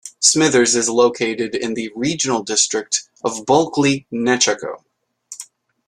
Smithers is located in the Regional District of Bulkley-Nechako.